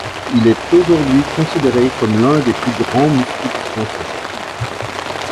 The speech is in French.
Il est aujourd'hui considéré comme l'un des plus grands mystiques français.